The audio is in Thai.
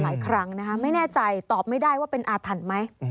หลายครั้งนะคะไม่แน่ใจตอบไม่ได้ว่าเป็นอาถรรพ์ไหม